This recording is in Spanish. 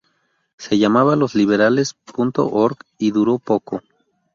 Se llamaba losliberales.org y duró poco.